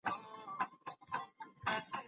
د اسلام دین د جهالت تیاره لیري کړه.